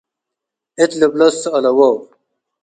እት ልብሎ ትሰአለዎ'"።